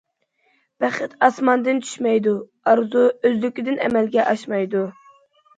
بەخت ئاسماندىن چۈشمەيدۇ، ئارزۇ ئۆزلۈكىدىن ئەمەلگە ئاشمايدۇ.